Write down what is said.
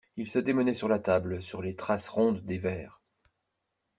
Il se démenait sur la table, sur les traces rondes des verres.